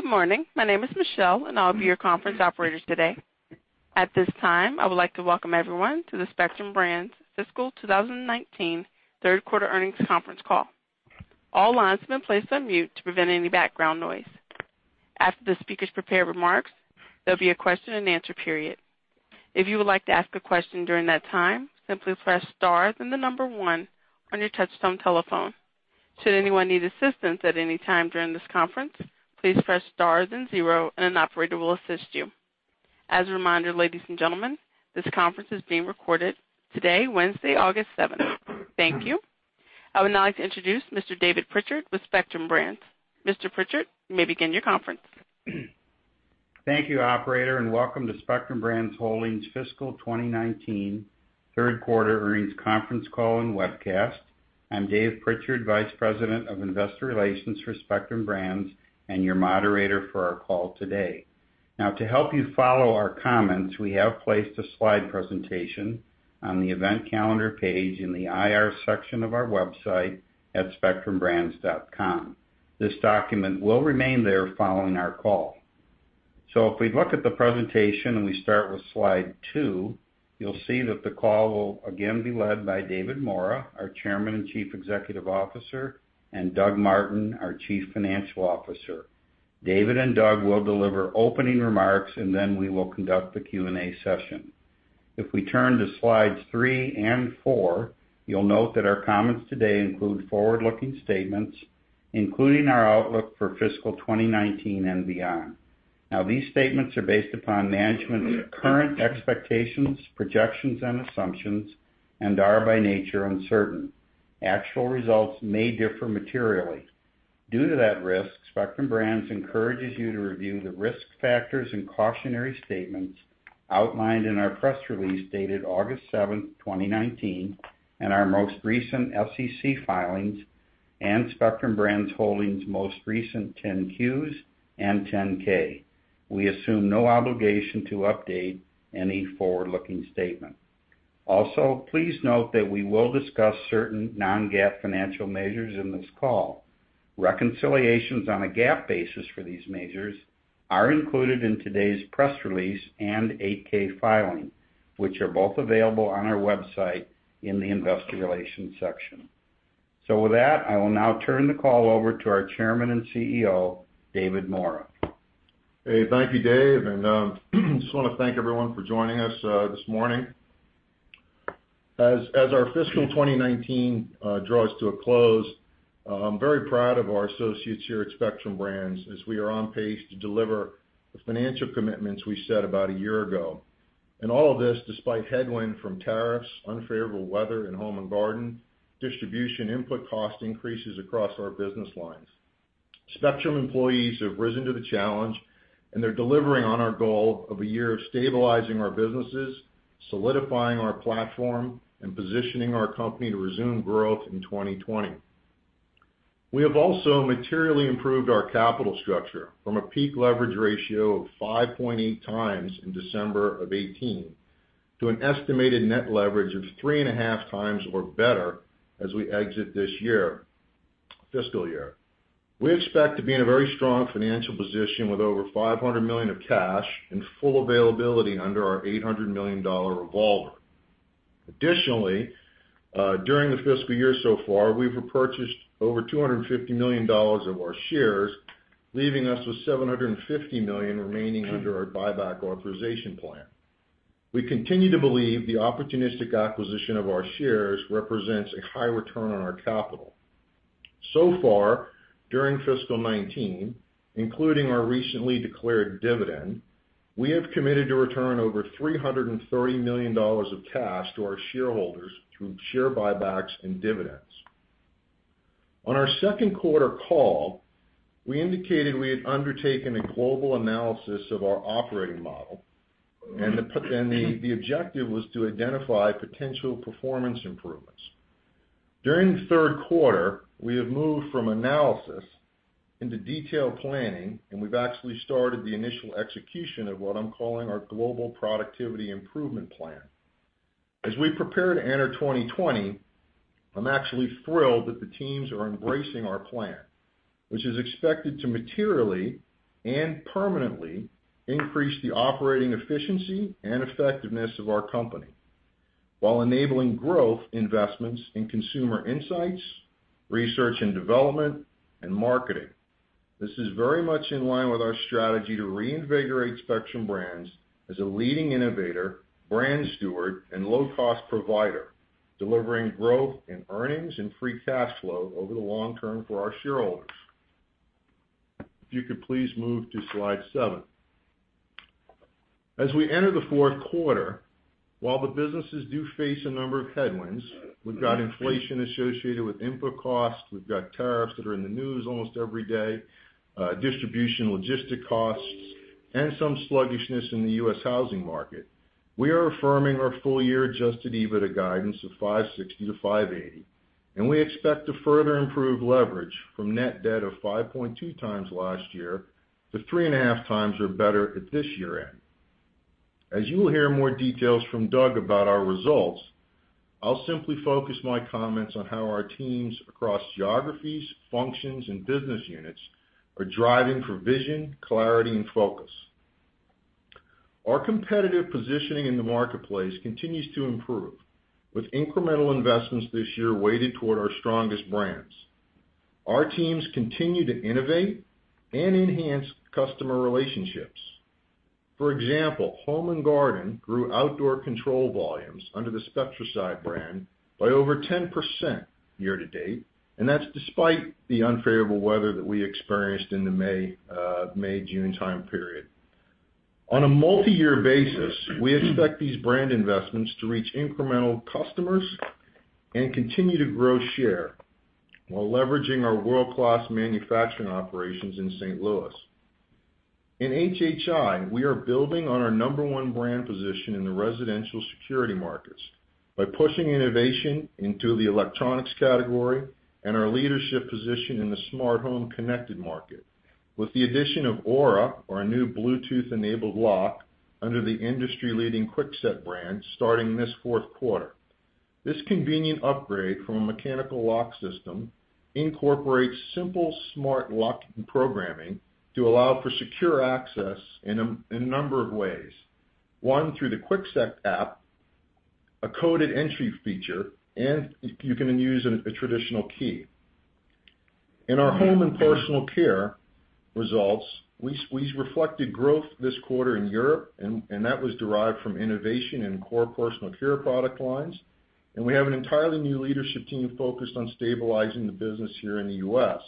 Good morning. My name is Michelle, I'll be your conference operator today. At this time, I would like to welcome everyone to the Spectrum Brands Fiscal 2019 third quarter earnings conference call. All lines have been placed on mute to prevent any background noise. After the speakers' prepared remarks, there'll be a question-and-answer period. If you would like to ask a question during that time, simply press star then the number one on your touchtone telephone. Should anyone need assistance at any time during this conference, please press star then zero, an operator will assist you. As a reminder, ladies and gentlemen, this conference is being recorded today, Wednesday, August 7th. Thank you. I would now like to introduce Mr. David Prichard with Spectrum Brands. Mr. Prichard, you may begin your conference. Thank you, operator, and welcome to Spectrum Brands Holdings Fiscal 2019 third quarter earnings conference call and webcast. I'm Dave Prichard, Vice President of Investor Relations for Spectrum Brands and your moderator for our call today. To help you follow our comments, we have placed a slide presentation on the event calendar page in the IR section of our website at spectrumbrands.com. If we look at the presentation and we start with slide two, you'll see that the call will again be led by David Maura, our Chairman and Chief Executive Officer, and Doug Martin, our Chief Financial Officer. David and Doug will deliver opening remarks, and then we will conduct the Q&A session. If we turn to slides three and four, you'll note that our comments today include forward-looking statements, including our outlook for fiscal 2019 and beyond. These statements are based upon management's current expectations, projections, and assumptions and are by nature uncertain. Actual results may differ materially. Due to that risk, Spectrum Brands encourages you to review the risk factors and cautionary statements outlined in our press release dated August 7th, 2019, and our most recent SEC filings and Spectrum Brands Holdings' most recent 10-Qs and 10-K. We assume no obligation to update any forward-looking statement. Please note that we will discuss certain non-GAAP financial measures in this call. Reconciliations on a GAAP basis for these measures are included in today's press release and 8-K filing, which are both available on our website in the investor relations section. With that, I will now turn the call over to our Chairman and CEO, David Maura. Hey. Thank you, Dave. Just want to thank everyone for joining us this morning. As our fiscal 2019 draws to a close, I'm very proud of our associates here at Spectrum Brands as we are on pace to deliver the financial commitments we set about a year ago. All of this despite headwind from tariffs, unfavorable weather in Home & Garden, distribution input cost increases across our business lines. Spectrum employees have risen to the challenge. They're delivering on our goal of a year of stabilizing our businesses, solidifying our platform, and positioning our company to resume growth in 2020. We have also materially improved our capital structure from a peak leverage ratio of 5.8 times in December of 2018 to an estimated net leverage of 3.5 times or better as we exit this year, fiscal year. We expect to be in a very strong financial position with over $500 million of cash and full availability under our $800 million revolver. Additionally, during the fiscal year so far, we've repurchased over $250 million of our shares, leaving us with $750 million remaining under our buyback authorization plan. We continue to believe the opportunistic acquisition of our shares represents a high return on our capital. So far, during fiscal 2019, including our recently declared dividend, we have committed to return over $330 million of cash to our shareholders through share buybacks and dividends. On our second quarter call, we indicated we had undertaken a global analysis of our operating model, and the objective was to identify potential performance improvements. During the third quarter, we have moved from analysis into detailed planning, and we've actually started the initial execution of what I'm calling our Global Productivity Improvement Plan. As we prepare to enter 2020, I'm actually thrilled that the teams are embracing our plan, which is expected to materially and permanently increase the operating efficiency and effectiveness of our company while enabling growth investments in consumer insights, research and development, and marketing. This is very much in line with our strategy to reinvigorate Spectrum Brands as a leading innovator, brand steward, and low-cost provider, delivering growth in earnings and free cash flow over the long term for our shareholders. If you could please move to slide seven. As we enter the fourth quarter, while the businesses do face a number of headwinds, we've got inflation associated with input costs, we've got tariffs that are in the news almost every day, distribution logistic costs, and some sluggishness in the U.S. housing market. We are affirming our full-year adjusted EBITDA guidance of $560 million-$580 million, and we expect to further improve leverage from net debt of 5.2 times last year to 3.5 times or better at this year-end. As you will hear more details from Doug about our results, I'll simply focus my comments on how our teams across geographies, functions, and business units are driving for vision, clarity, and focus. Our competitive positioning in the marketplace continues to improve, with incremental investments this year weighted toward our strongest brands. Our teams continue to innovate and enhance customer relationships. For example, Home & Garden grew outdoor control volumes under the Spectracide brand by over 10% year to date. That's despite the unfavorable weather that we experienced in the May, June time period. On a multi-year basis, we expect these brand investments to reach incremental customers and continue to grow share while leveraging our world-class manufacturing operations in St. Louis. In HHI, we are building on our number one brand position in the residential security markets by pushing innovation into the electronics category and our leadership position in the smart home connected market. With the addition of Aura, our new Bluetooth-enabled lock under the industry-leading Kwikset brand starting this fourth quarter. This convenient upgrade from a mechanical lock system incorporates simple smart lock-in programming to allow for secure access in a number of ways. One, through the Kwikset app, a coded entry feature, and you can use a traditional key. In our Home & Personal Care results, we reflected growth this quarter in Europe, that was derived from innovation in core personal care product lines. We have an entirely new leadership team focused on stabilizing the business here in the U.S.,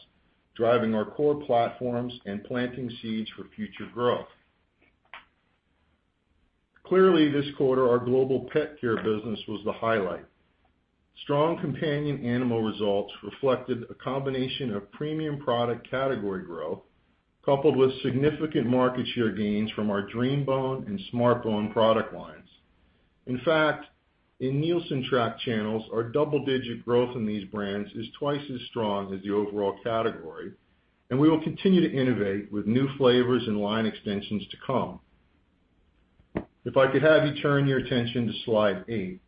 driving our core platforms and planting seeds for future growth. Clearly, this quarter, our Global Pet Care business was the highlight. Strong companion animal results reflected a combination of premium product category growth, coupled with significant market share gains from our DreamBone and SmartBones product lines. In fact, in Nielsen track channels, our double-digit growth in these brands is twice as strong as the overall category, we will continue to innovate with new flavors and line extensions to come. If I could have you turn your attention to slide eight.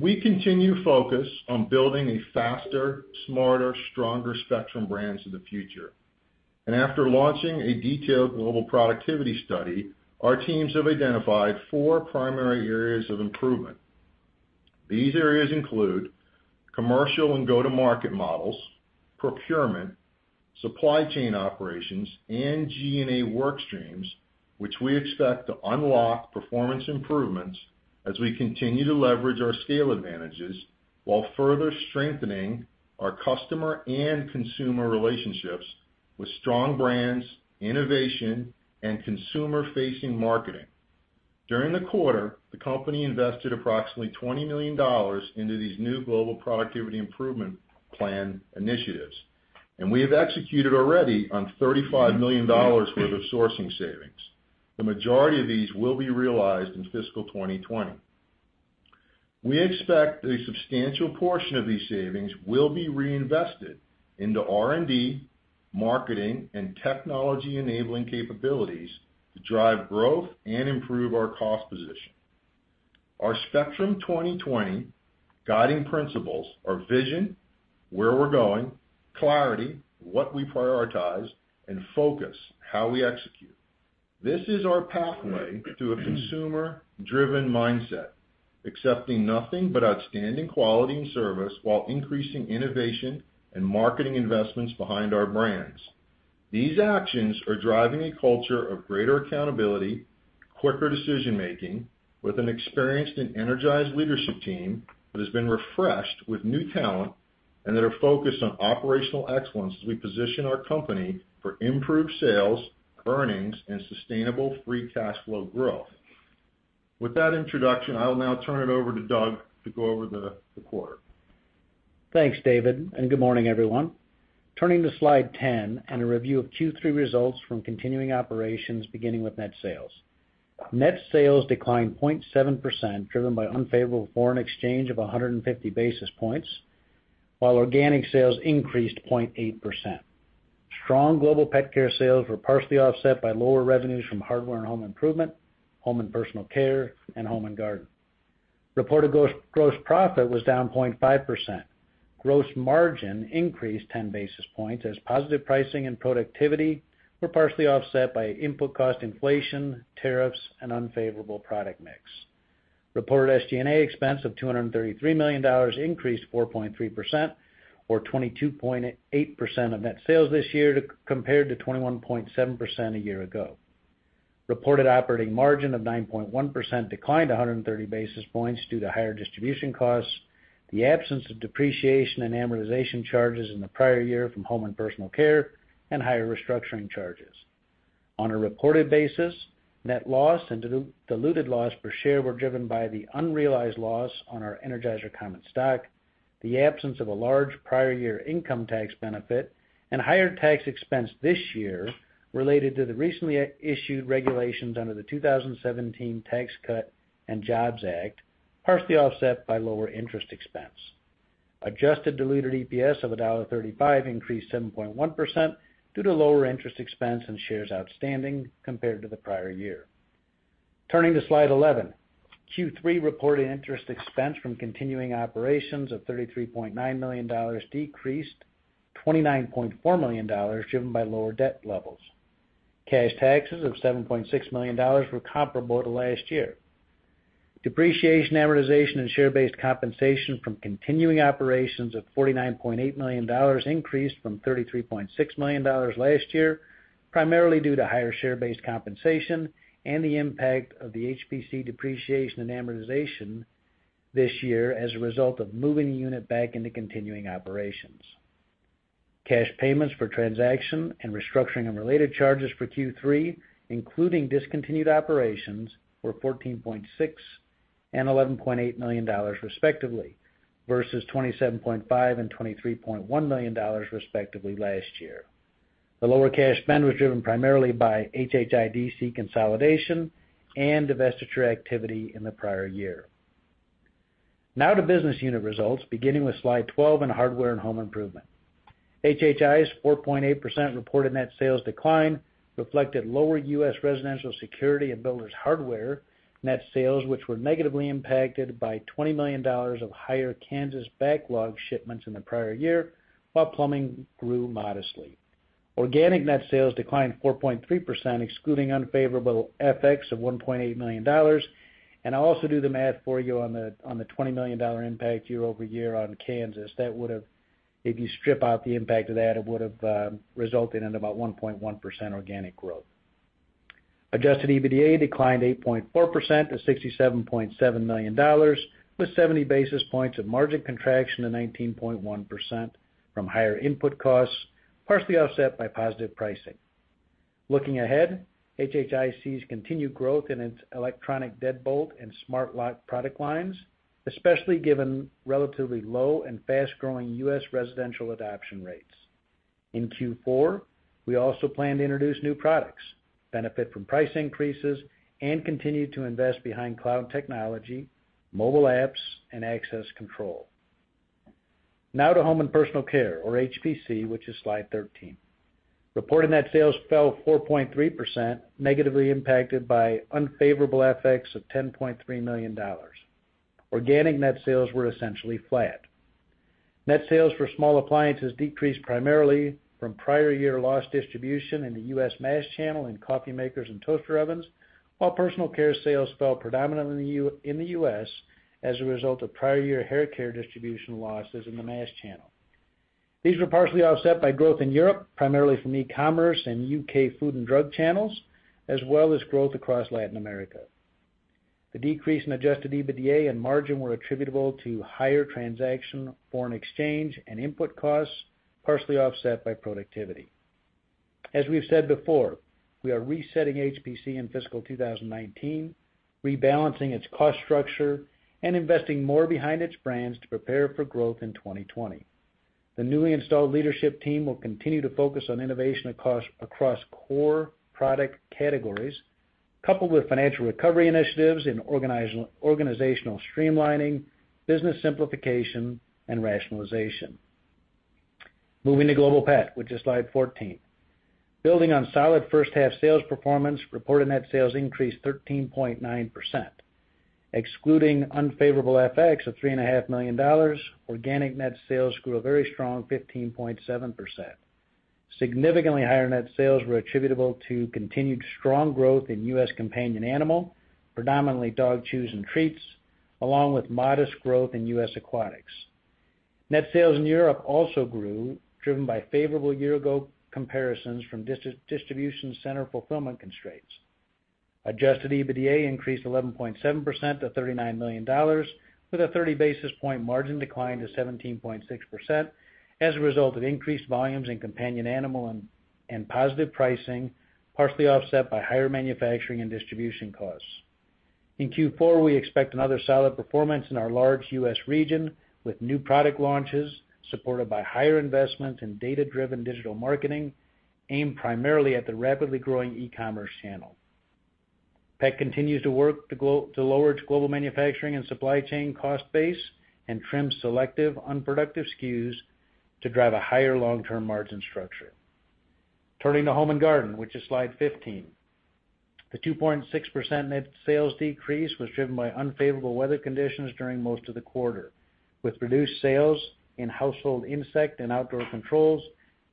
We continue focus on building a faster, smarter, stronger Spectrum Brands of the future. After launching a detailed global productivity study, our teams have identified four primary areas of improvement. These areas include commercial and go-to-market models, procurement, supply chain operations, and G&A work streams, which we expect to unlock performance improvements as we continue to leverage our scale advantages while further strengthening our customer and consumer relationships with strong brands, innovation, and consumer-facing marketing. During the quarter, the company invested approximately $20 million into these new Global Productivity Improvement Plan initiatives, We have executed already on $35 million worth of sourcing savings. The majority of these will be realized in fiscal 2020. We expect a substantial portion of these savings will be reinvested into R&D, marketing, and technology-enabling capabilities to drive growth and improve our cost position. Our Spectrum 2020 guiding principles are vision, where we're going, clarity, what we prioritize, and focus, how we execute. This is our pathway to a consumer-driven mindset, accepting nothing but outstanding quality and service while increasing innovation and marketing investments behind our brands. These actions are driving a culture of greater accountability, quicker decision-making with an experienced and energized leadership team that has been refreshed with new talent and that are focused on operational excellence as we position our company for improved sales, earnings, and sustainable free cash flow growth. With that introduction, I will now turn it over to Doug to go over the quarter. Thanks, David. Good morning, everyone. Turning to slide 10 and a review of Q3 results from continuing operations beginning with net sales. Net sales declined 0.7%, driven by unfavorable foreign exchange of 150 basis points, while organic sales increased 0.8%. Strong Global Pet Care sales were partially offset by lower revenues from Hardware and Home Improvement, Home & Personal Care, and Home & Garden. Reported gross profit was down 0.5%. Gross margin increased 10 basis points as positive pricing and productivity were partially offset by input cost inflation, tariffs, and unfavorable product mix. Reported SG&A expense of $233 million increased 4.3% or 22.8% of net sales this year compared to 21.7% a year ago. Reported operating margin of 9.1% declined 130 basis points due to higher distribution costs, the absence of depreciation and amortization charges in the prior year from Home & Personal Care, and higher restructuring charges. On a reported basis, net loss and diluted loss per share were driven by the unrealized loss on our Energizer common stock, the absence of a large prior year income tax benefit, and higher tax expense this year related to the recently issued regulations under the 2017 Tax Cuts and Jobs Act, partially offset by lower interest expense. Adjusted diluted EPS of $1.35 increased 7.1% due to lower interest expense and shares outstanding compared to the prior year. Turning to slide 11. Q3 reported interest expense from continuing operations of $33.9 million, decreased $29.4 million, driven by lower debt levels. Cash taxes of $7.6 million were comparable to last year. Depreciation, amortization, and share-based compensation from continuing operations of $49.8 million increased from $33.6 million last year, primarily due to higher share-based compensation and the impact of the HPC depreciation and amortization this year as a result of moving the unit back into continuing operations. Cash payments for transaction and restructuring and related charges for Q3, including discontinued operations, were $14.6 million and $11.8 million respectively, versus $27.5 million and $23.1 million respectively last year. The lower cash spend was driven primarily by HHI DC consolidation and divestiture activity in the prior year. Now to business unit results, beginning with slide 12 on Hardware and Home Improvement. HHI's 4.8% reported net sales decline reflected lower U.S. residential security and builder's hardware net sales, which were negatively impacted by $20 million of higher Kanab backlog shipments in the prior year, while plumbing grew modestly. Organic net sales declined 4.3%, excluding unfavorable FX of $1.8 million. I'll also do the math for you on the $20 million impact year-over-year on Kanab. If you strip out the impact of that, it would have resulted in about 1.1% organic growth. Adjusted EBITDA declined 8.4% to $67.7 million, with 70 basis points of margin contraction to 19.1% from higher input costs, partially offset by positive pricing. Looking ahead, HHI's continued growth in its electronic deadbolt and smart lock product lines, especially given relatively low and fast-growing U.S. residential adoption rates. In Q4, we also plan to introduce new products, benefit from price increases, and continue to invest behind cloud technology, mobile apps, and access control. To Home & Personal Care, or HPC, which is slide 13. Reported net sales fell 4.3%, negatively impacted by unfavorable FX of $10.3 million. Organic net sales were essentially flat. Net sales for small appliances decreased primarily from prior year loss distribution in the U.S. mass channel in coffee makers and toaster ovens, while personal care sales fell predominantly in the U.S. as a result of prior year hair care distribution losses in the mass channel. These were partially offset by growth in Europe, primarily from e-commerce and U.K. food and drug channels, as well as growth across Latin America. The decrease in adjusted EBITDA and margin were attributable to higher transaction, foreign exchange, and input costs, partially offset by productivity. As we've said before, we are resetting HPC in fiscal 2019, rebalancing its cost structure, and investing more behind its brands to prepare for growth in 2020. The newly installed leadership team will continue to focus on innovation across core product categories, coupled with financial recovery initiatives in organizational streamlining, business simplification, and rationalization. Moving to Global Pet Care, which is slide 14. Building on solid first half sales performance, reported net sales increased 13.9%. Excluding unfavorable FX of $3.5 million, organic net sales grew a very strong 15.7%. Significantly higher net sales were attributable to continued strong growth in U.S. companion animal, predominantly dog chews and treats, along with modest growth in U.S. aquatics. Net sales in Europe also grew, driven by favorable year-ago comparisons from distribution center fulfillment constraints. Adjusted EBITDA increased 11.7% to $39 million, with a 30 basis point margin decline to 17.6% as a result of increased volumes in companion animal and positive pricing, partially offset by higher manufacturing and distribution costs. In Q4, we expect another solid performance in our large U.S. region, with new product launches supported by higher investments in data-driven digital marketing aimed primarily at the rapidly growing e-commerce channel. Pet continues to work to lower its global manufacturing and supply chain cost base and trim selective unproductive SKUs to drive a higher long-term margin structure. Turning to Home & Garden, which is slide 15. The 2.6% net sales decrease was driven by unfavorable weather conditions during most of the quarter, with reduced sales in household insect and outdoor controls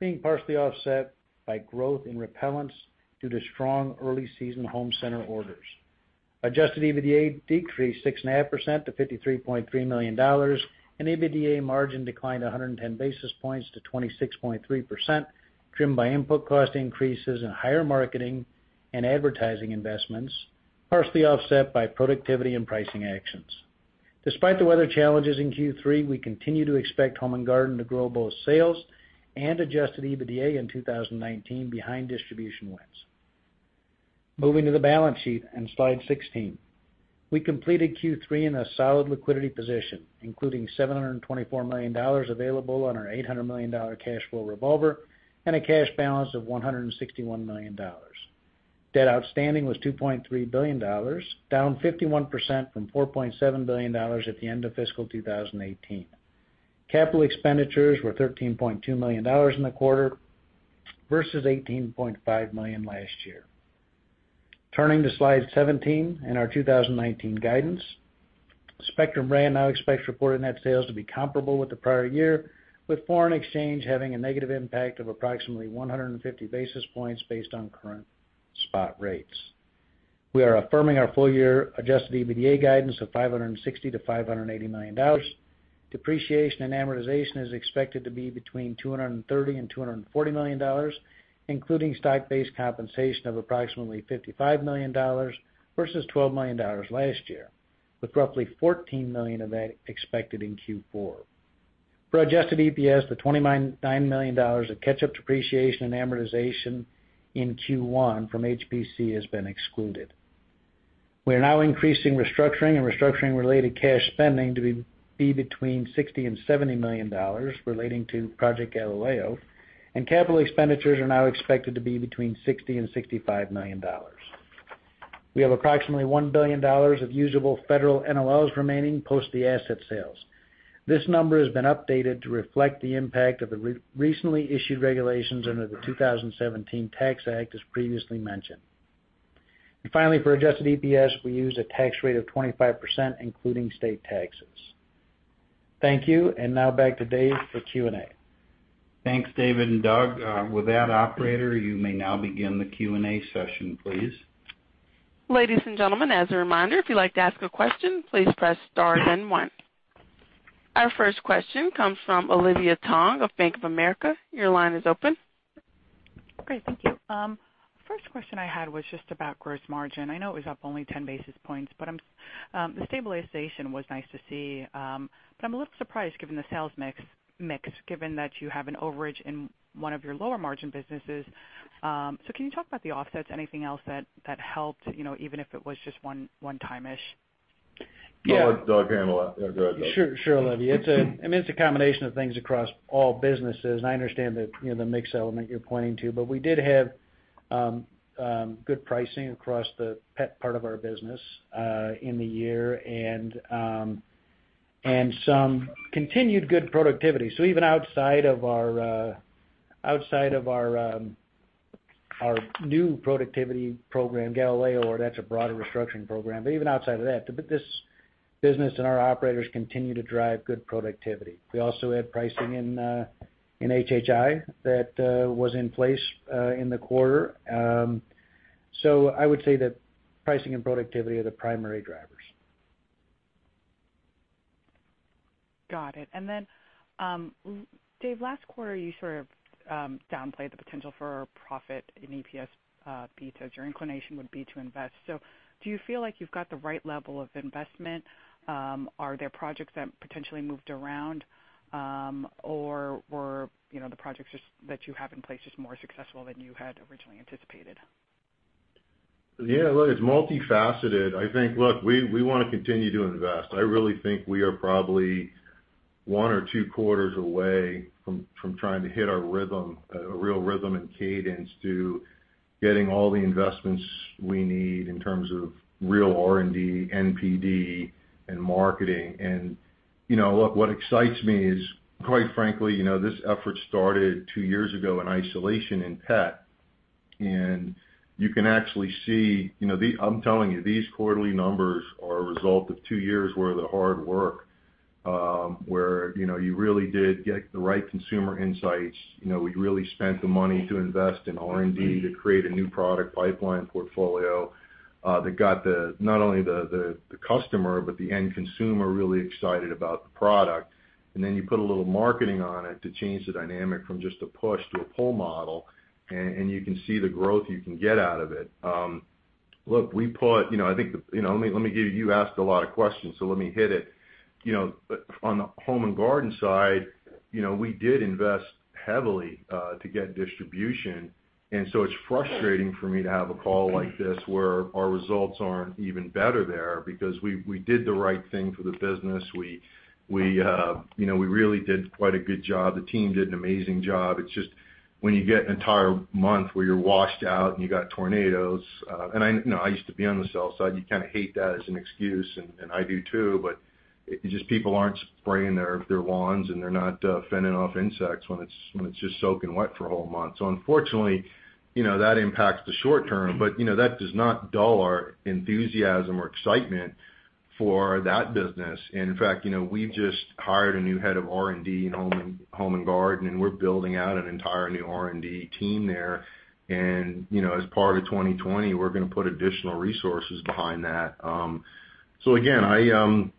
being partially offset by growth in repellents due to strong early-season home center orders. Adjusted EBITDA decreased 6.5% to $53.3 million, and EBITDA margin declined 110 basis points to 26.3%, driven by input cost increases and higher marketing and advertising investments, partially offset by productivity and pricing actions. Despite the weather challenges in Q3, we continue to expect Home & Garden to grow both sales and adjusted EBITDA in 2019 behind distribution wins. Moving to the balance sheet and slide 16. We completed Q3 in a solid liquidity position, including $724 million available on our $800 million cash flow revolver and a cash balance of $161 million. Debt outstanding was $2.3 billion, down 51% from $4.7 billion at the end of fiscal 2018. Capital expenditures were $13.2 million in the quarter versus $18.5 million last year. Turning to slide 17 and our 2019 guidance. Spectrum Brands now expects reported net sales to be comparable with the prior year, with foreign exchange having a negative impact of approximately 150 basis points based on current spot rates. We are affirming our full year adjusted EBITDA guidance of $560 million-$580 million. Depreciation and amortization is expected to be between $230 million and $240 million, including stock-based compensation of approximately $55 million versus $12 million last year, with roughly $14 million of that expected in Q4. For adjusted EPS, the $29 million of catch-up depreciation and amortization in Q1 from HPC has been excluded. We are now increasing restructuring and restructuring-related cash spending to be between $60 million and $70 million relating to Project Galileo. Capital expenditures are now expected to be between $60 million and $65 million. We have approximately $1 billion of usable federal NOLs remaining post the asset sales. This number has been updated to reflect the impact of the recently issued regulations under the 2017 Tax Act, as previously mentioned. Finally, for adjusted EPS, we use a tax rate of 25%, including state taxes. Thank you, and now back to Dave for Q&A. Thanks, David and Doug. With that, operator, you may now begin the Q&A session, please. Ladies and gentlemen, as a reminder, if you'd like to ask a question, please press * then 1. Our first question comes from Olivia Tong of Bank of America. Your line is open. Great. Thank you. First question I had was just about gross margin. I know it was up only 10 basis points, the stabilization was nice to see. I'm a little surprised given the sales mix, given that you have an overage in one of your lower margin businesses. Can you talk about the offsets? Anything else that helped, even if it was just one-time-ish? Yeah. I'll let Doug handle that. Go ahead, Doug. Sure, Olivia. It's a combination of things across all businesses, and I understand the mix element you're pointing to, but we did have good pricing across the pet part of our business in the year and some continued good productivity. Even outside of our new productivity program, Galileo, that's a broader restructuring program. Even outside of that, this business and our operators continue to drive good productivity. We also had pricing in HHI that was in place in the quarter. I would say that pricing and productivity are the primary drivers. Got it. Dave, last quarter you sort of downplayed the potential for a profit in EPS beats as your inclination would be to invest. Do you feel like you've got the right level of investment? Are there projects that potentially moved around, or were the projects just that you have in place just more successful than you had originally anticipated? Yeah, look, it's multifaceted. I think, look, we want to continue to invest. I really think we are probably one or two quarters away from trying to hit our rhythm, a real rhythm and cadence to getting all the investments we need in terms of real R&D, NPD, and marketing. Look, what excites me is, quite frankly, this effort started two years ago in isolation in pet. You can actually see, I'm telling you, these quarterly numbers are a result of two years worth of hard work, where you really did get the right consumer insights. We really spent the money to invest in R&D to create a new product pipeline portfolio, that got not only the customer, but the end consumer really excited about the product. Then you put a little marketing on it to change the dynamic from just a push to a pull model, and you can see the growth you can get out of it. Look, you asked a lot of questions, so let me hit it. On the Home & Garden side, we did invest heavily to get distribution. So it's frustrating for me to have a call like this where our results aren't even better there because we did the right thing for the business. We really did quite a good job. The team did an amazing job. It's just when you get an entire month where you're washed out and you got tornadoes, and I used to be on the sales side, you kind of hate that as an excuse, and I do too, but it's just people aren't spraying their wands and they're not fending off insects when it's just soaking wet for a whole month. Unfortunately, that impacts the short term, but that does not dull our enthusiasm or excitement for that business. In fact, we've just hired a new head of R&D in Home & Garden, and we're building out an entire new R&D team there. As part of 2020, we're going to put additional resources behind that. Again,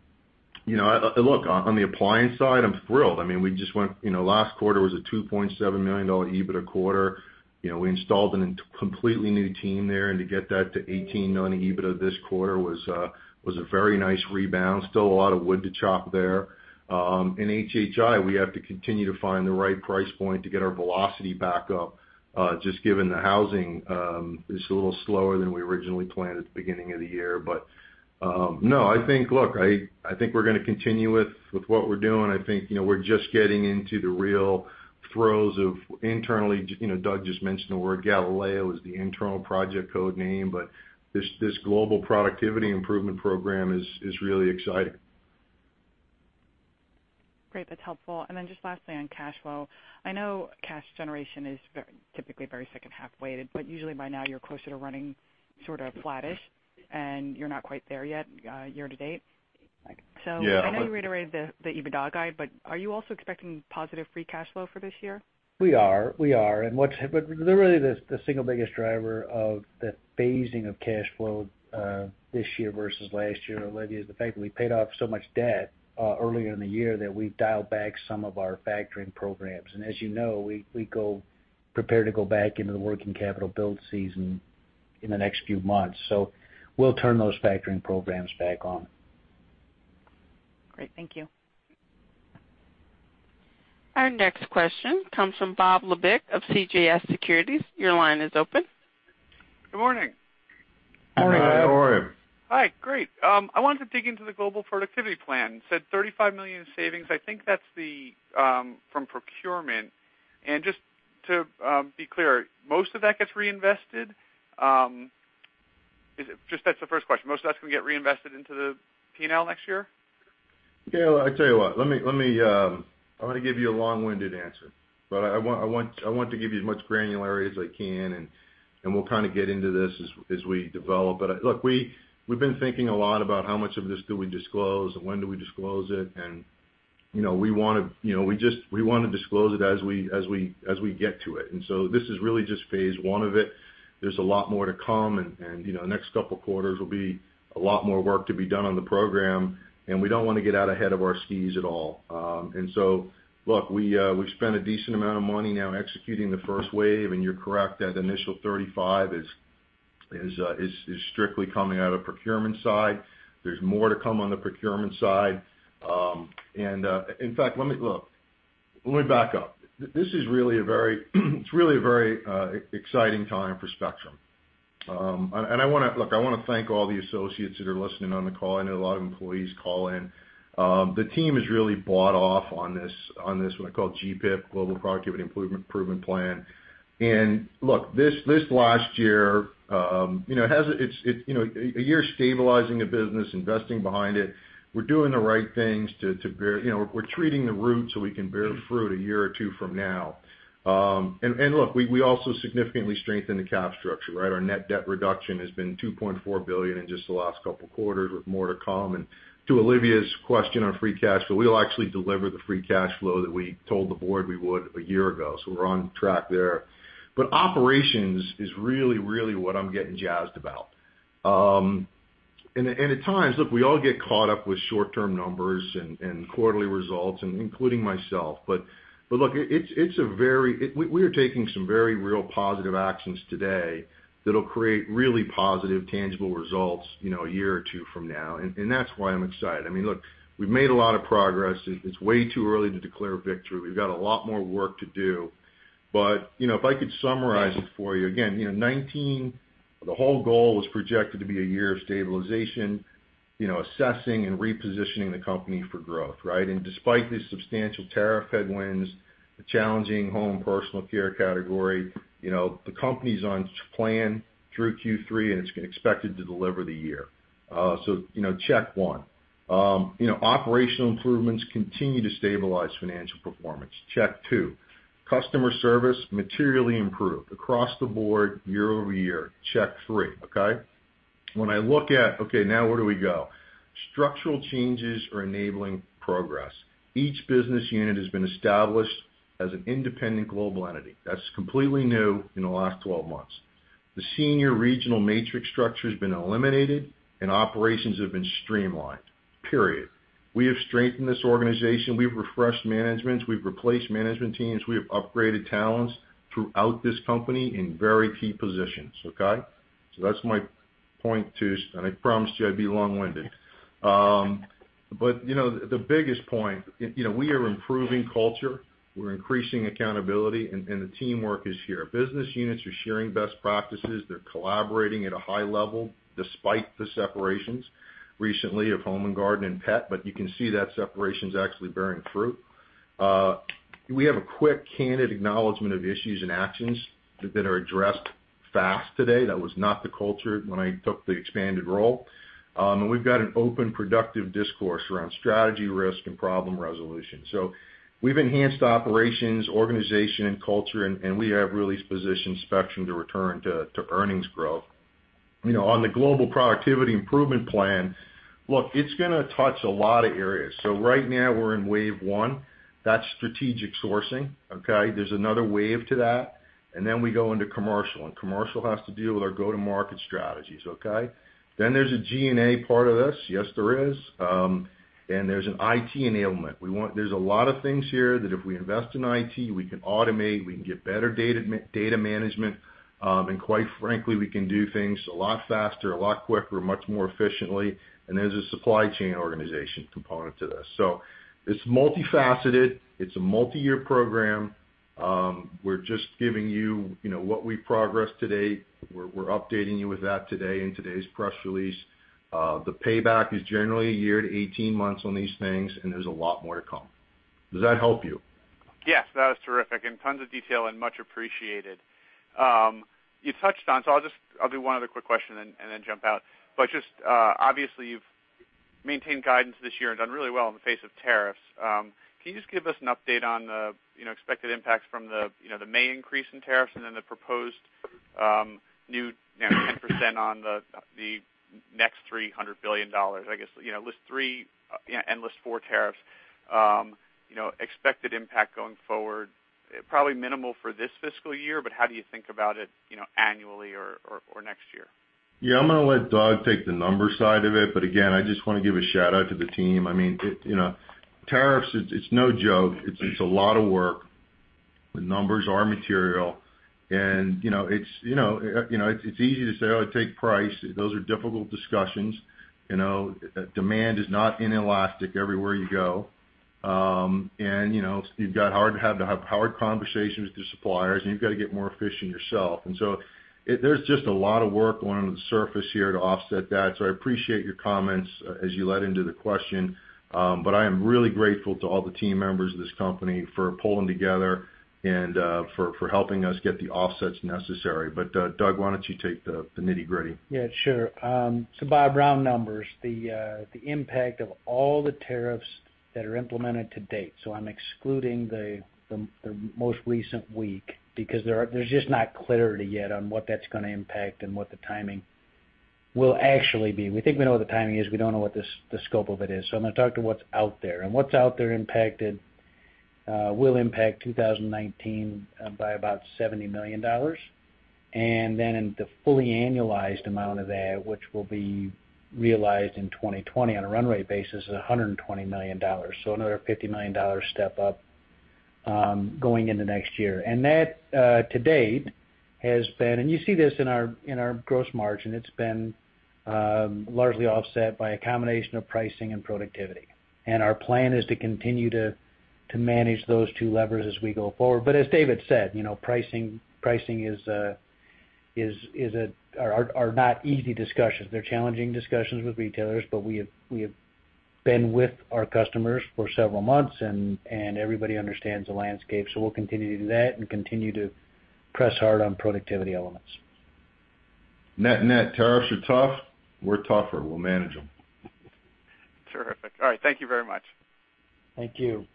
look, on the appliance side, I'm thrilled. Last quarter was a $2.7 million EBITDA quarter. We installed a completely new team there, and to get that to $18 million EBITDA this quarter was a very nice rebound. Still a lot of wood to chop there. In HHI, we have to continue to find the right price point to get our velocity back up, just given the housing is a little slower than we originally planned at the beginning of the year. No, I think we're going to continue with what we're doing. I think we're just getting into the real throes of internally, Doug just mentioned the word Galileo is the internal project code name, but this Global Productivity Improvement Plan is really exciting. Great. That's helpful. Then just lastly, on cash flow, I know cash generation is typically very second half weighted, but usually by now you're closer to running sort of flattish, and you're not quite there yet year to date. Yeah. I know you reiterated the EBITDA guide, but are you also expecting positive free cash flow for this year? We are. Really, the single biggest driver of the phasing of cash flow this year versus last year, Olivia, is the fact that we paid off so much debt earlier in the year that we've dialed back some of our factoring programs. As you know, we prepare to go back into the working capital build season in the next few months. We'll turn those factoring programs back on. Great. Thank you. Our next question comes from Bob Labick of CJS Securities. Your line is open. Good morning. Morning, Bob, how are you? Hi. Great. I wanted to dig into the Global Productivity Plan. You said $35 million in savings. I think that's from procurement. Just to be clear, most of that gets reinvested? Just that's the first question. Most of that's going to get reinvested into the P&L next year? Yeah. I tell you what. I'm going to give you a long-winded answer, but I want to give you as much granularity as I can, and we'll kind of get into this as we develop. Look, we've been thinking a lot about how much of this do we disclose and when do we disclose it, and we want to disclose it as we get to it. This is really just phase 1 of it. There's a lot more to come, and the next couple of quarters will be a lot more work to be done on the program, and we don't want to get out ahead of our skis at all. Look, we've spent a decent amount of money now executing the first wave, and you're correct, that initial $35 is strictly coming out of procurement side. There's more to come on the procurement side. In fact, let me back up. This is really a very exciting time for Spectrum. I want to thank all the associates that are listening on the call. I know a lot of employees call in. The team has really bought off on this, what I call GPIP, Global Productivity Improvement Plan. Look, this last year, a year of stabilizing a business, investing behind it. We're doing the right things. We're treating the root so we can bear the fruit a year or two from now. Look, we also significantly strengthened the cap structure, right? Our net debt reduction has been $2.4 billion in just the last couple of quarters, with more to come. To Olivia's question on free cash flow, we will actually deliver the free cash flow that we told the board we would a year ago. We're on track there. Operations is really what I'm getting jazzed about. At times, look, we all get caught up with short-term numbers and quarterly results, and including myself. Look, we are taking some very real positive actions today that'll create really positive, tangible results a year or two from now. That's why I'm excited. I mean, look, we've made a lot of progress. It's way too early to declare victory. We've got a lot more work to do. If I could summarize it for you, again, 2019, the whole goal was projected to be a year of stabilization, assessing and repositioning the company for growth, right? Despite the substantial tariff headwinds, the challenging Home & Personal Care category, the company's on plan through Q3, and it's expected to deliver the year. Check one. Operational improvements continue to stabilize financial performance. Check two. Customer service materially improved across the board year-over-year. Check three, okay? When I look at, okay, now where do we go? Structural changes are enabling progress. Each business unit has been established as an independent global entity. That's completely new in the last 12 months. The senior regional matrix structure has been eliminated, and operations have been streamlined. Period. We have strengthened this organization. We've refreshed management. We've replaced management teams. We have upgraded talents throughout this company in very key positions, okay? That's my point too, and I promised you I'd be long-winded. The biggest point, we are improving culture, we're increasing accountability, and the teamwork is here. Business units are sharing best practices. They're collaborating at a high level despite the separations recently of Home & Garden and Pet, but you can see that separation is actually bearing fruit. We have a quick candid acknowledgment of issues and actions that are addressed fast today. That was not the culture when I took the expanded role. We've got an open, productive discourse around strategy, risk, and problem resolution. We've enhanced operations, organization, and culture, and we have really positioned Spectrum to return to earnings growth. On the Global Productivity Improvement Plan, look, it's going to touch a lot of areas. Right now we're in wave 1. That's strategic sourcing, okay. There's another wave to that. Then we go into commercial, and commercial has to deal with our go-to-market strategies, okay. There's a G&A part of this. Yes, there is. There's an IT enablement. There's a lot of things here that if we invest in IT, we can automate, we can get better data management, quite frankly, we can do things a lot faster, a lot quicker, much more efficiently. There's a supply chain organization component to this. It's multifaceted. It's a multi-year program. We're just giving you what we've progressed to date. We're updating you with that today in today's press release. The payback is generally a year to 18 months on these things, and there's a lot more to come. Does that help you? Yes, that was terrific and tons of detail and much appreciated. You touched on I'll do one other quick question and then jump out. Just obviously you've maintained guidance this year and done really well in the face of tariffs. Can you just give us an update on the expected impacts from the May increase in tariffs and then the proposed new 10% on the next $300 billion? I guess list 3 and list 4 tariffs, expected impact going forward, probably minimal for this fiscal year. How do you think about it annually or next year? I'm going to let Doug take the numbers side of it. Again, I just want to give a shout-out to the team. Tariffs, it's no joke. It's a lot of work. The numbers are material. It's easy to say, "Oh, take price." Those are difficult discussions. Demand is not inelastic everywhere you go. You've got to have hard conversations with your suppliers, and you've got to get more efficient yourself. There's just a lot of work going on the surface here to offset that. I appreciate your comments as you led into the question. I am really grateful to all the team members of this company for pulling together and for helping us get the offsets necessary. Doug, why don't you take the nitty-gritty? Yeah, sure. Bob, round numbers, the impact of all the tariffs that are implemented to date. I'm excluding the most recent week because there's just not clarity yet on what that's going to impact and what the timing will actually be. We think we know what the timing is. We don't know what the scope of it is. I'm going to talk to what's out there. What's out there impacted will impact 2019 by about $70 million. In the fully annualized amount of that, which will be realized in 2020 on a runway basis, is $120 million. Another $50 million step up going into next year. That to date has been, and you see this in our gross margin, it's been largely offset by a combination of pricing and productivity. Our plan is to continue to manage those two levers as we go forward. As David said, pricing are not easy discussions. They're challenging discussions with retailers. We have been with our customers for several months, and everybody understands the landscape. We'll continue to do that and continue to press hard on productivity elements. Net-net, tariffs are tough. We're tougher. We'll manage them. Terrific. All right. Thank you very much. Thank you.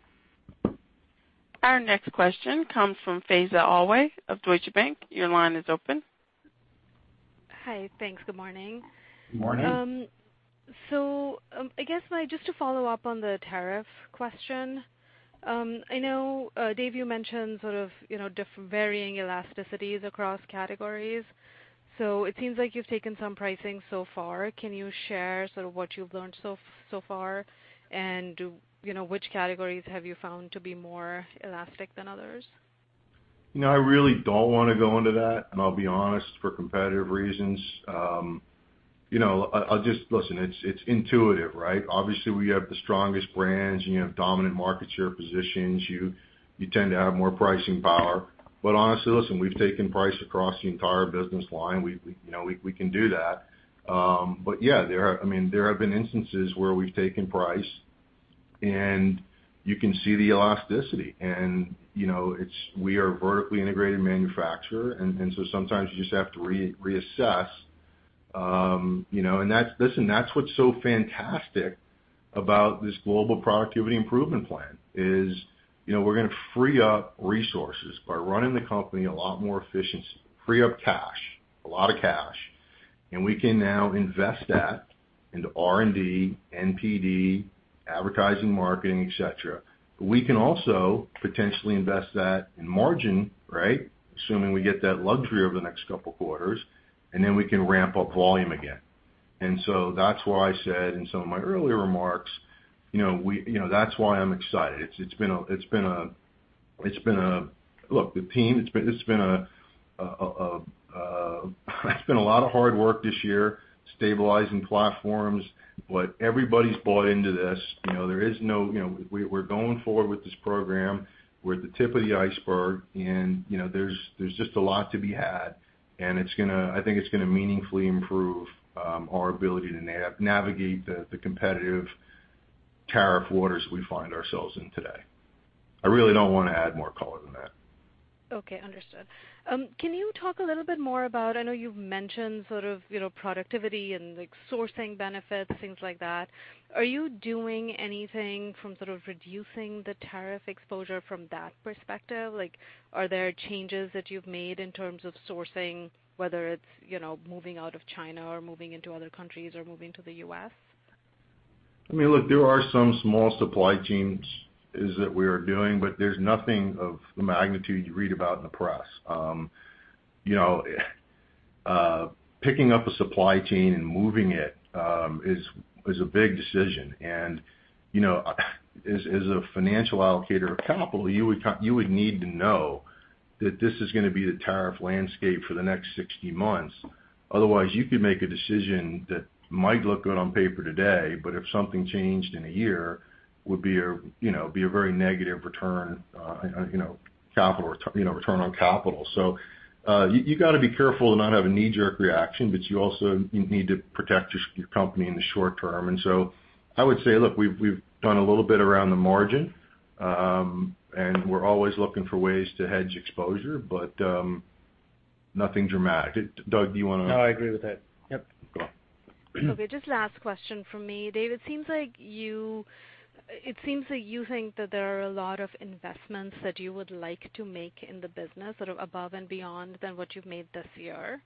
Our next question comes from Faiza Alwy of Deutsche Bank. Your line is open. Hi. Thanks. Good morning. Good morning. I guess just to follow up on the tariff question. I know, Dave, you mentioned sort of differing varying elasticities across categories. It seems like you've taken some pricing so far. Can you share sort of what you've learned so far? Which categories have you found to be more elastic than others? I really don't want to go into that, and I'll be honest, for competitive reasons. Listen, it's intuitive, right? Obviously, we have the strongest brands and you have dominant market share positions. You tend to have more pricing power. Honestly, listen, we've taken price across the entire business line. We can do that. Yeah, there have been instances where we've taken price and you can see the elasticity and we are a vertically integrated manufacturer, sometimes you just have to reassess. Listen, that's what's so fantastic about this Global Productivity Improvement Plan is we're going to free up resources by running the company a lot more efficiency, free up cash, a lot of cash, we can now invest that into R&D, NPD, advertising, marketing, et cetera. We can also potentially invest that in margin. Assuming we get that luxury over the next couple of quarters, and then we can ramp up volume again. That's why I said in some of my earlier remarks, that's why I'm excited. Look, the team, it's been a lot of hard work this year stabilizing platforms, but everybody's bought into this. We're going forward with this program. We're at the tip of the iceberg, and there's just a lot to be had, and I think it's going to meaningfully improve our ability to navigate the competitive tariff waters we find ourselves in today. I really don't want to add more color than that. Okay, understood. Can you talk a little bit more about, I know you've mentioned sort of productivity and sourcing benefits, things like that? Are you doing anything from sort of reducing the tariff exposure from that perspective? Are there changes that you've made in terms of sourcing, whether it's moving out of China or moving into other countries or moving to the U.S.? Look, there are some small supply chains that we are doing, but there's nothing of the magnitude you read about in the press. Picking up a supply chain and moving it is a big decision, and as a financial allocator of capital, you would need to know that this is going to be the tariff landscape for the next 60 months. Otherwise, you could make a decision that might look good on paper today, but if something changed in a year, would be a very negative return on capital return on capital. You got to be careful to not have a knee-jerk reaction, but you also need to protect your company in the short term. I would say, look, we've done a little bit around the margin, and we're always looking for ways to hedge exposure, but nothing dramatic. Doug, do you want to? No, I agree with that. Yep. Go on. Just last question from me. Dave, it seems that you think that there are a lot of investments that you would like to make in the business, sort of above and beyond than what you've made this year.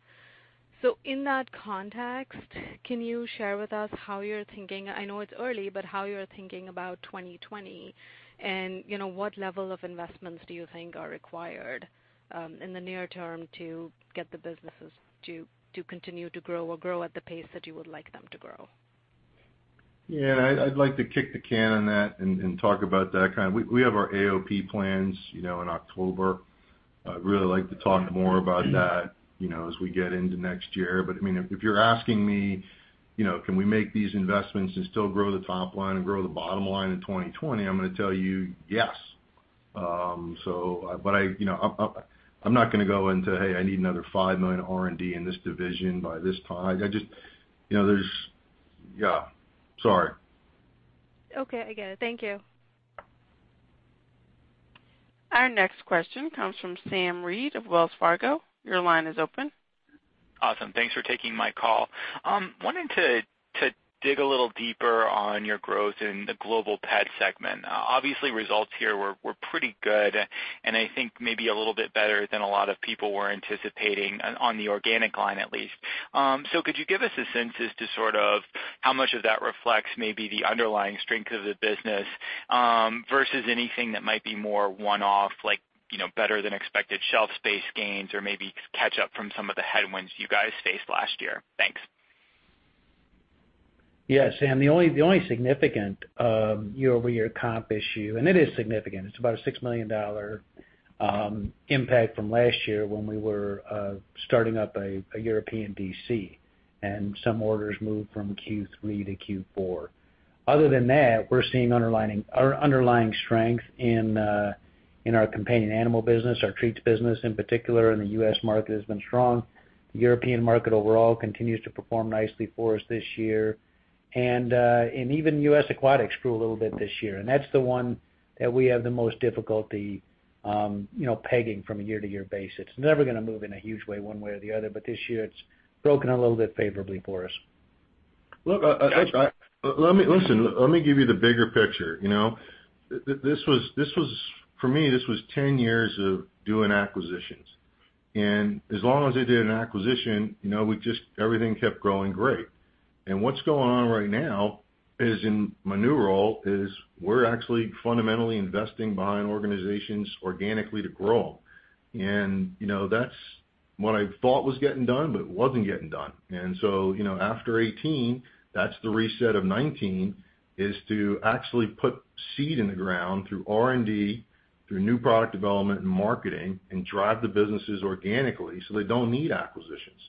In that context, can you share with us how you're thinking, I know it's early, but how you're thinking about 2020, and what level of investments do you think are required in the near term to get the businesses to continue to grow or grow at the pace that you would like them to grow? Yeah, I'd like to kick the can on that and talk about that kind. We have our AOP plans in October. I'd really like to talk more about that as we get into next year. If you're asking me, can we make these investments and still grow the top line and grow the bottom line in 2020, I'm going to tell you yes. I'm not going to go into, hey, I need another $5 million R&D in this division by this time. Yeah. Sorry. Okay, I get it. Thank you. Our next question comes from Sam Reid of Wells Fargo. Your line is open. Awesome. Thanks for taking my call. Wanted to dig a little deeper on your growth in the Global Pet Care segment. Obviously, results here were pretty good, and I think maybe a little bit better than a lot of people were anticipating on the organic line at least. Could you give us a sense as to sort of how much of that reflects maybe the underlying strength of the business versus anything that might be more one-off, like better than expected shelf space gains or maybe catch-up from some of the headwinds you guys faced last year? Thanks. Yeah, Sam, the only significant year-over-year comp issue, and it is significant. It's about a $6 million impact from last year when we were starting up a European DC, and some orders moved from Q3 to Q4. Other than that, we're seeing underlying strength in our companion animal business. Our treats business in particular in the U.S. market has been strong. The European market overall continues to perform nicely for us this year. Even U.S. Aquatics grew a little bit this year, and that's the one that we have the most difficulty pegging from a year-to-year basis. It's never going to move in a huge way, one way or the other, but this year it's broken a little bit favorably for us. Look, let me give you the bigger picture. For me, this was 10 years of doing acquisitions. As long as they did an acquisition, everything kept growing great. What's going on right now is in my new role is we're actually fundamentally investing behind organizations organically to grow. That's what I thought was getting done but wasn't getting done. After 2018, that's the reset of 2019, is to actually put seed in the ground through R&D, through new product development and marketing, and drive the businesses organically so they don't need acquisitions.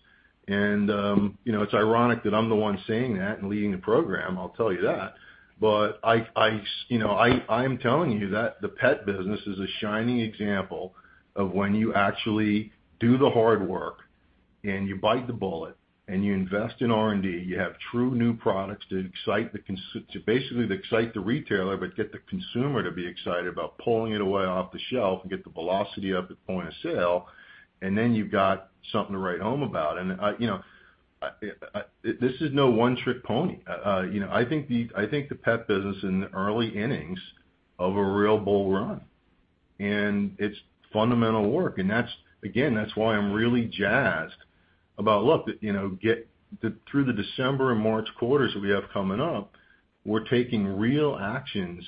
It's ironic that I'm the one saying that and leading the program, I'll tell you that. I am telling you that the pet business is a shining example of when you actually do the hard work and you bite the bullet and you invest in R&D, you have true new products to basically excite the retailer, but get the consumer to be excited about pulling it away off the shelf and get the velocity up at point of sale, and then you've got something to write home about. This is no one-trick pony. I think the pet business in the early innings of a real bull run, and it's fundamental work. Again, that's why I'm really jazzed about look, through the December and March quarters that we have coming up, we're taking real actions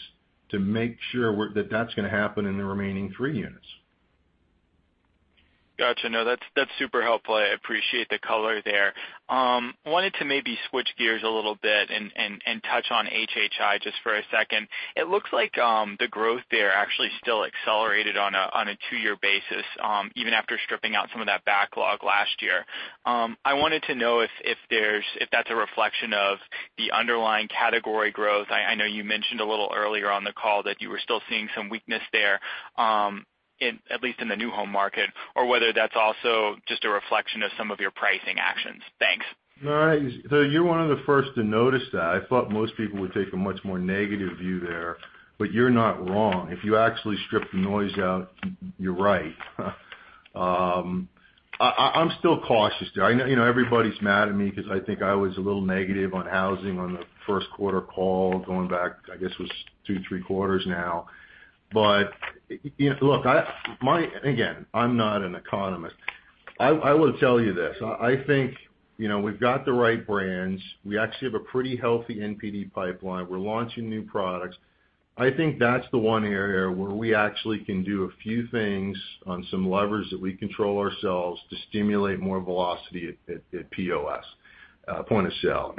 to make sure that that's going to happen in the remaining three units. Got you. No, that's super helpful. I appreciate the color there. Wanted to maybe switch gears a little bit and touch on HHI just for a second. It looks like the growth there actually still accelerated on a two-year basis, even after stripping out some of that backlog last year. I wanted to know if that's a reflection of the underlying category growth. I know you mentioned a little earlier on the call that you were still seeing some weakness there, at least in the new home market, or whether that's also just a reflection of some of your pricing actions. Thanks. All right. You're one of the first to notice that. I thought most people would take a much more negative view there, you're not wrong. If you actually strip the noise out, you're right. I'm still cautious there. Everybody's mad at me because I think I was a little negative on housing on the first quarter call, going back, I guess it was two, three quarters now. Look, again, I'm not an economist. I will tell you this. I think we've got the right brands. We actually have a pretty healthy NPD pipeline. We're launching new products. I think that's the one area where we actually can do a few things on some levers that we control ourselves to stimulate more velocity at POS, point of sale.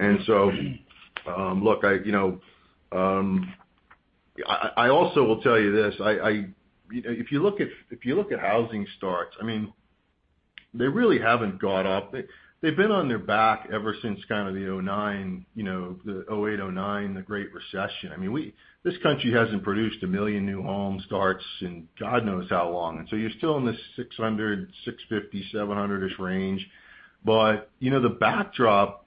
Look, I also will tell you this. If you look at housing starts. They really haven't got up. They've been on their back ever since kind of the 2009, the 2008, 2009, the Great Recession. I mean, this country hasn't produced 1 million new home starts in God knows how long. You're still in this 600, 650, 700-ish range. The backdrop,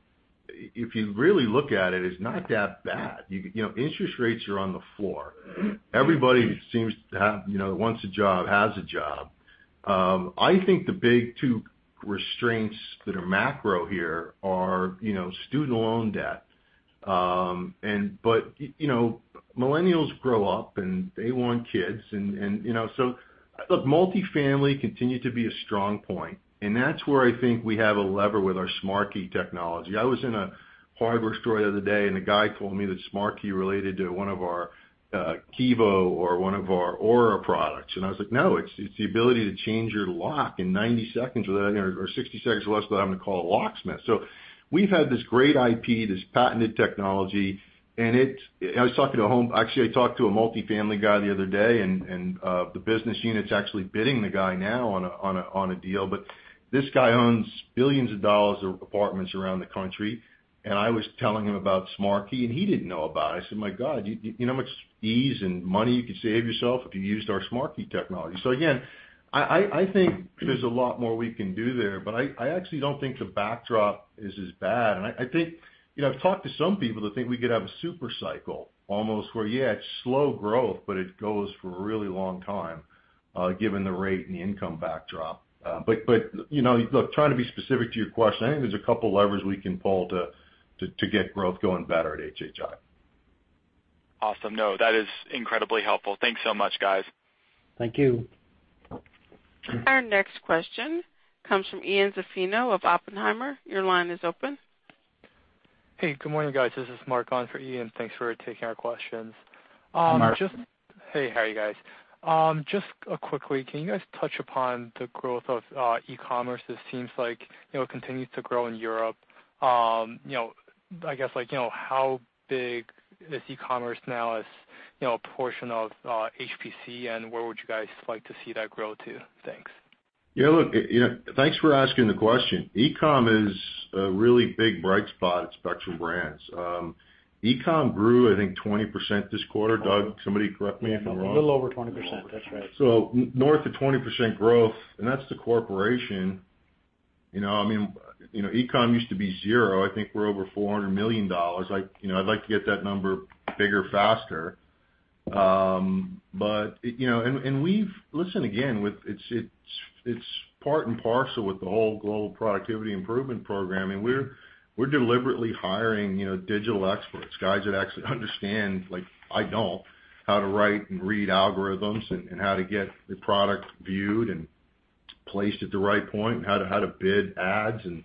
if you really look at it, is not that bad. Interest rates are on the floor. Everybody seems to want a job, has a job. I think the big 2 restraints that are macro here are student loan debt. Millennials grow up, and they want kids, so look, multifamily continued to be a strong point, and that's where I think we have a lever with our SmartKey technology. I was in a hardware store the other day, and a guy told me that SmartKey related to one of our Kevo or one of our Aura products. I was like, "No, it's the ability to change your lock in 90 seconds or 60 seconds or less without having to call a locksmith." We've had this great IP, this patented technology. Actually, I talked to a multifamily guy the other day, and the business unit's actually bidding the guy now on a deal. This guy owns billions of dollars of apartments around the country, and I was telling him about SmartKey, and he didn't know about it. I said, "My God, do you know how much ease and money you could save yourself if you used our SmartKey technology?" Again, I think there's a lot more we can do there, but I actually don't think the backdrop is as bad. I think, I've talked to some people that think we could have a super cycle almost where, yeah, it's slow growth, but it goes for a really long time, given the rate and the income backdrop. Look, trying to be specific to your question, I think there's a couple levers we can pull to get growth going better at HHI. Awesome. No, that is incredibly helpful. Thanks so much, guys. Thank you. Our next question comes from Ian Zaffino of Oppenheimer. Your line is open. Hey, good morning, guys. This is Mark on for Ian. Thanks for taking our questions. Hi, Mark. Hey. How are you, guys? Just quickly, can you guys touch upon the growth of e-commerce? It seems like it continues to grow in Europe. I guess, how big is e-commerce now as a portion of HPC, and where would you guys like to see that grow to? Thanks. Yeah. Look, thanks for asking the question. E-com is a really big bright spot at Spectrum Brands. E-com grew, I think, 20% this quarter. Doug, somebody correct me if I'm wrong. A little over 20%. That's right. North of 20% growth, and that's the corporation. e-com used to be zero. I think we're over $400 million. I'd like to get that number bigger faster. Listen again, it's part and parcel with the whole Global Productivity Improvement Plan, and we're deliberately hiring digital experts, guys that actually understand, like I don't, how to write and read algorithms and how to get the product viewed and placed at the right point and how to bid ads and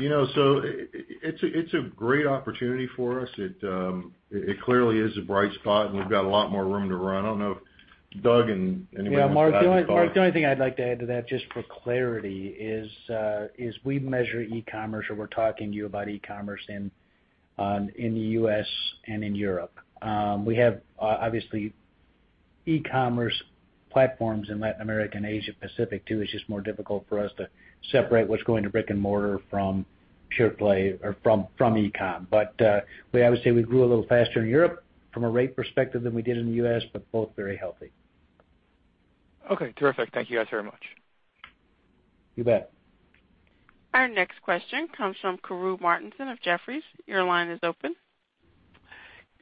it's a great opportunity for us. It clearly is a bright spot, and we've got a lot more room to run. I don't know if Doug and anybody else would like to comment. Yeah. Mark, the only thing I'd like to add to that, just for clarity, is we measure e-commerce, or we're talking to you about e-commerce in the U.S. and in Europe. We have, obviously, e-commerce platforms in Latin America and Asia Pacific too. It's just more difficult for us to separate what's going to brick and mortar from pure play or from e-com. I would say we grew a little faster in Europe from a rate perspective than we did in the U.S., but both very healthy. Okay, terrific. Thank you guys very much. You bet. Our next question comes from Karru Martinson of Jefferies. Your line is open.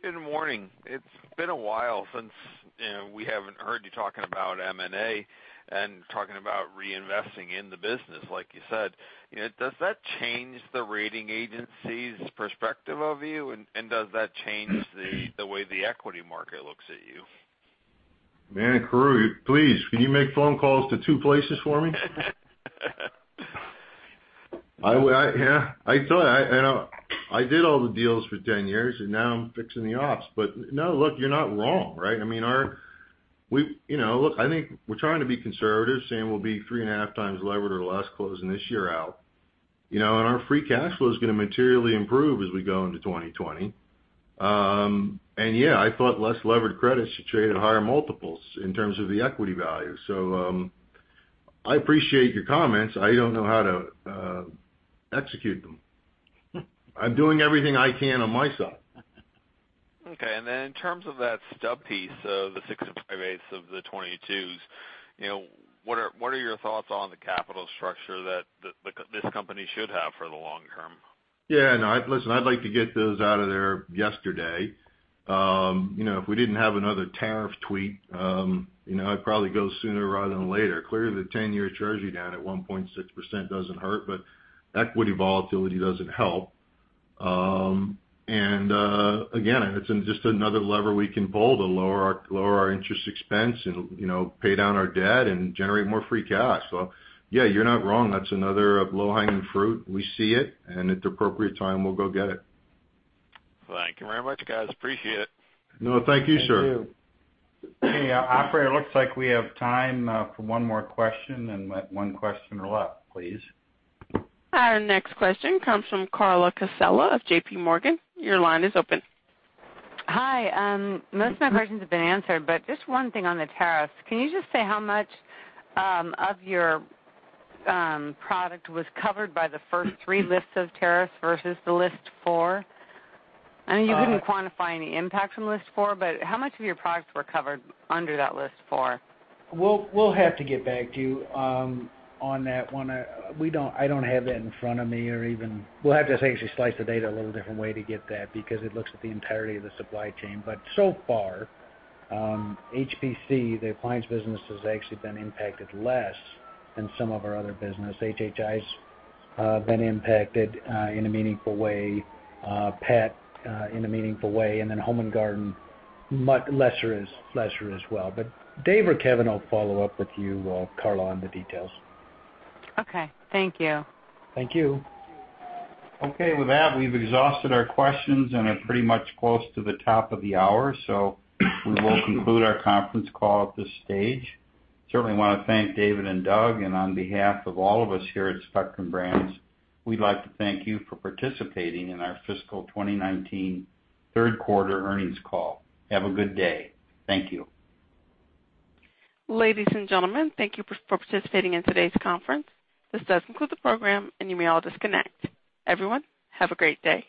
Good morning. It's been a while since we haven't heard you talking about M&A and talking about reinvesting in the business, like you said. Does that change the rating agency's perspective of you? Does that change the way the equity market looks at you? Man, Karru, please, can you make phone calls to two places for me? I tell you, I did all the deals for 10 years. Now I'm fixing the ops. No, look, you're not wrong, right? Look, I think we're trying to be conservative, saying we'll be 3.5 times levered or less closing this year out. Our free cash flow is going to materially improve as we go into 2020. Yeah, I thought less levered credits should trade at higher multiples in terms of the equity value. I appreciate your comments. I don't know how to execute them. I'm doing everything I can on my side. Okay. Then in terms of that stub piece of the six and five-eighths of the 2022s, what are your thoughts on the capital structure that this company should have for the long term? Yeah, no. Listen, I'd like to get those out of there yesterday. If we didn't have another tariff tweet, it'd probably go sooner rather than later. Clearly, the 10-year Treasury down at 1.6% doesn't hurt. Equity volatility doesn't help. Again, it's just another lever we can pull to lower our interest expense and pay down our debt and generate more free cash. Yeah, you're not wrong. That's another low-hanging fruit. We see it. At the appropriate time, we'll go get it. Thank you very much, guys. Appreciate it. No, thank you, sir. Thank you. Hey, Operator, it looks like we have time for one more question. Let one questioner left, please. Our next question comes from Carla Casella of JPMorgan. Your line is open. Hi. Most of my questions have been answered. Just one thing on the tariffs. Can you just say how much of your product was covered by the first three lists of tariffs versus the list four? I know you couldn't quantify any impact from list four. How much of your products were covered under that list four? We'll have to get back to you on that one. I don't have that in front of me or even We'll have to actually slice the data a little different way to get that because it looks at the entirety of the supply chain. So far, HPC, the appliance business, has actually been impacted less than some of our other business. HHI's been impacted in a meaningful way, PET in a meaningful way, and then Home & Garden, lesser as well. Dave or Kevin will follow up with you, Carla, on the details. Okay. Thank you. Thank you. Okay. With that, we've exhausted our questions and are pretty much close to the top of the hour, so we will conclude our conference call at this stage. Certainly want to thank David and Doug, and on behalf of all of us here at Spectrum Brands, we'd like to thank you for participating in our fiscal 2019 third quarter earnings call. Have a good day. Thank you. Ladies and gentlemen, thank you for participating in today's conference. This does conclude the program, and you may all disconnect. Everyone, have a great day.